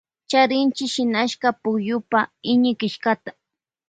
Charinchi shinashka pukyupa iñikillkata.